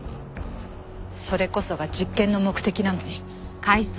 それこそが実験の目的なのに。